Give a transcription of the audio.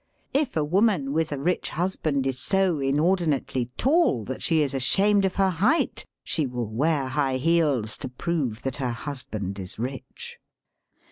If a woman with a rich husband is so inordinately tall that she is ashamed of her height, she will wear high heels to prove that her husband is rich.